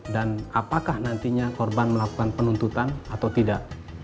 dan apakah nantinya korban melakukan penuntutan atau tidak